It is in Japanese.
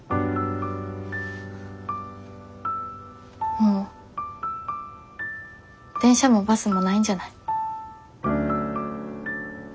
もう電車もバスもないんじゃない？